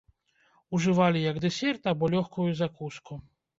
Ужывалі як дэсерт або лёгкую закуску.